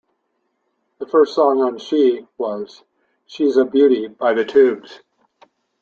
The first song on "She" was "She's a Beauty" by The Tubes.